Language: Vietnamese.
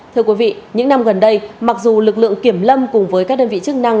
thưa quý vị những năm gần đây mặc dù lực lượng kiểm lâm cùng với các đơn vị chức năng